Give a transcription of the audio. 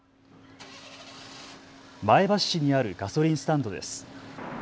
前橋市にあるガソリンスタンドです。